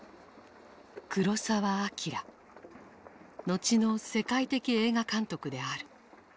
後の世界的映画監督である。